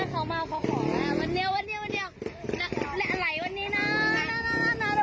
เขาพูดแหละ